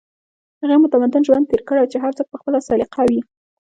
هغې متمدن ژوند تېر کړی چې هر څوک په خپله سليقه وي